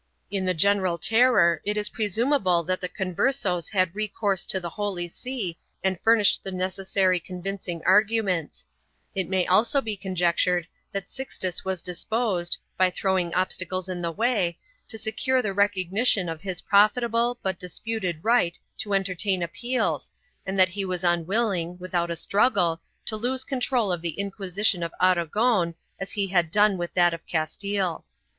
In the general terror it is presumable that the Converses had recourse to the Holy See and furnished the necessary convincing arguments; it may also be conjectured that Sixtus was disposed, by throwing obstacles in the way, to secure the recognition of his profitable but disputed right to entertain appeals and that he was unwilling, without a struggle, to lose control of the Inquisition of Aragon as he had done with that of Castile.